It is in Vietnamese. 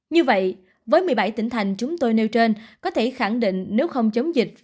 như vậy với một mươi bảy tỉnh thành chúng tôi nêu trên có thể khẳng định nếu không chống dịch